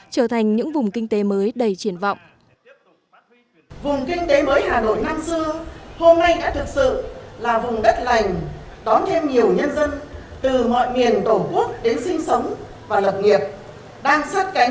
trở thành những vùng kinh tế mới đầy triển vọng